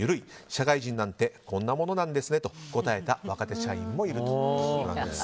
社会人なんてこんなものなんですねと答えた若手社員もいるということです。